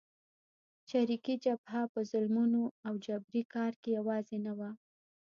چریکي جبهه په ظلمونو او جبري کار کې یوازې نه وه.